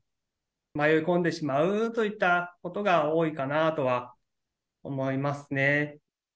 迷い込んでしまうといったようなことが多いかなとは思いますね。